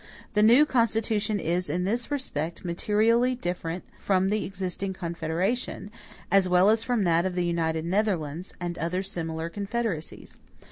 The new Constitution is, in this respect, materially different from the existing Confederation, as well as from that of the United Netherlands, and other similar confederacies.